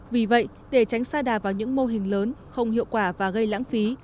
vì vậy để tránh xa đà vào những mô hình lớn không hiệu quả và gây lãng phí